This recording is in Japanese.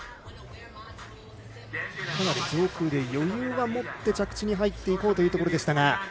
上空で余裕を持って着地に入っていこうというところだったが。